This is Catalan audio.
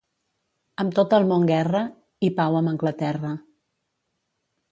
Amb tot el món guerra i pau amb Anglaterra.